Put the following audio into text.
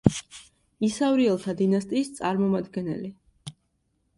ისავრიელთა დინასტიის წარმომადგენელი.